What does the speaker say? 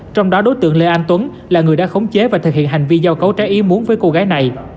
trong đó đối tượng lê anh tuấn là người đã khống chế và thực hiện hành vi giao cấu trái ý muốn với cô gái này